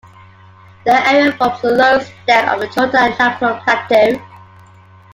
The area forms the lowest step of the Chota Nagpur Plateau.